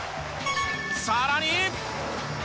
さらに！